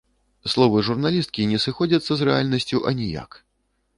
Словы журналісткі не сыходзяцца з рэальнасцю аніяк.